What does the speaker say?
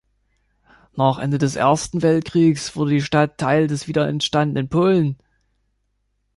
Nach Ende des Ersten Weltkrieges wurde die Stadt Teil des wiederentstandenen Polen.